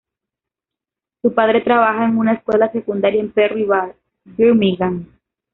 Su padre trabaja en una escuela secundaria en Perry Barr, Birmingham.